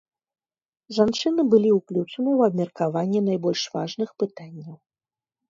Жанчыны былі ўключаны ў абмеркаванне найбольш важных пытанняў.